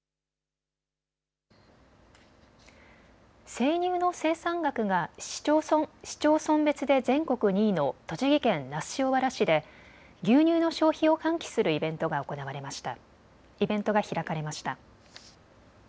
生乳の生産額が市町村別で全国２位の栃木県那須塩原市で牛乳の消費を喚起するイベントが行われました。